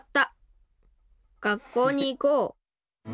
学校に行こう」。